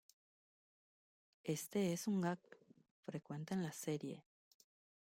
Este es un gag frecuenta en la serie.